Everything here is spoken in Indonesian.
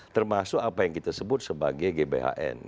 termasuk apa yang kita sebut sebagai gbhn